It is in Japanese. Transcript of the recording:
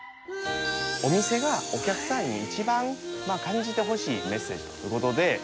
お店がお客さんに一番感じてほしいメッセージという事で。